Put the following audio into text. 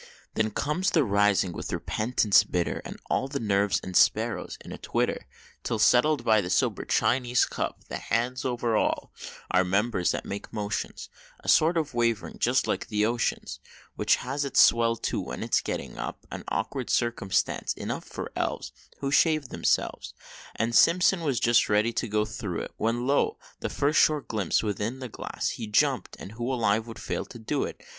Then comes the rising, with repentance bitter, And all the nerves (and sparrows) in a twitter, Till settled by the sober Chinese cup: The hands, o'er all, are members that make motions, A sort of wavering, just like the ocean's, Which has its swell, too, when it's getting up An awkward circumstance enough for elves Who shave themselves; And Simpson just was ready to go thro' it, When lo! the first short glimpse within the glass He jump'd and who alive would fail to do it?